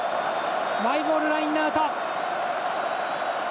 マイボールラインアウト。